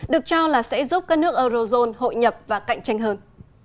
được cho là sẽ giúp các nước eurozone hội nhập và cạnh tranh hơn